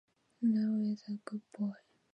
Kunal is a good boy.